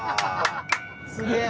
すげえ！